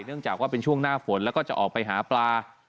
จากว่าเป็นช่วงหน้าฝนแล้วก็จะออกไปหาปลา